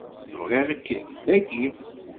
Bɣiɣ-k dagi.